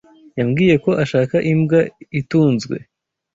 Yambwiye ko ashaka imbwa itunzwe.